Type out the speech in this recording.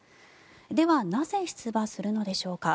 ではなぜ出馬するのでしょうか。